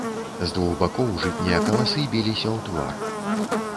З двух бакоў жытнія каласы біліся ў твар.